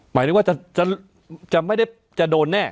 หมายนึกว่าจะโดนแน่